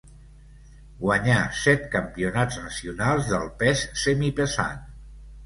Guanyà set campionats nacionals del pes semipesant.